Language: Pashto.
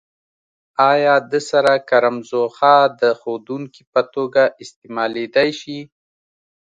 آیا د سره کرم ځوښا د ښودونکي په توګه استعمالیدای شي؟